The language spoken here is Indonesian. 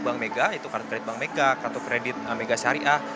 bank mega yaitu kartu bank mega kartu kredit mega syariah